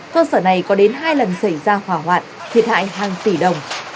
cơ sở này có đến hai lần xảy ra hỏa hoạn thiệt hại hàng tỷ đồng